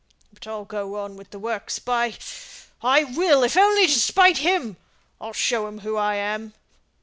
But I'll go on with the works, by , I will, if only to spite him. I'll show him who I am.